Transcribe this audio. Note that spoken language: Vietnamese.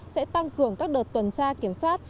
sẽ tăng cường các đợt tuần tra kiểm soát